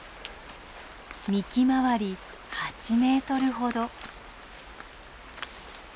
幹周り８メートルほど。